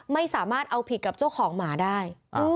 ไม่สามารถเอาผิดกับเจ้าของหมาได้